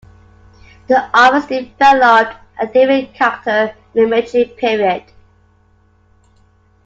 The office developed a different character in the Meiji period.